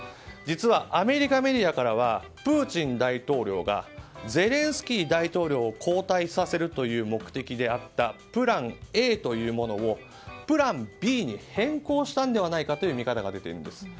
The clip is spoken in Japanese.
実は、アメリカメディアからはプーチン大統領がゼレンスキー大統領を交代させるという目的であったプランＡというものをプランＢに変更したのではないかという見方が出ているんです。